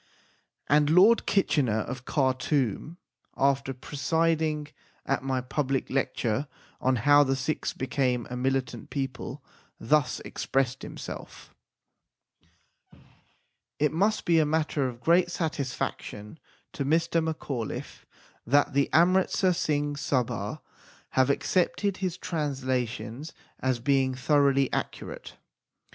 And Lord Kitchener of Khartoum, after presiding at my public lecture on How the Sikhs became a Militant People , thus expressed himself : It must be a matter of great satisfaction to Mr. Macauliffe that the Amritsar Singh Sabha have accepted his trans lations as being thoroughly accurate.